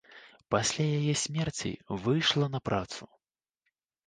Пасля яе смерці выйшла на працу.